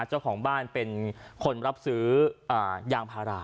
เจ้าของบ้านเป็นคนรับซื้อยางพารา